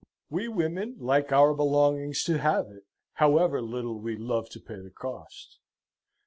We women like our belongings to have it, however little we love to pay the cost.